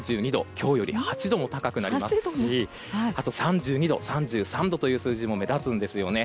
今日より８度も高くなりますしあと、３２度、３３度という数字も目立つんですよね。